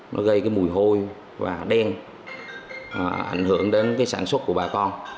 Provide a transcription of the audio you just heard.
nó gây cái mùi hôi và đen ảnh hưởng đến cái sản xuất của bà con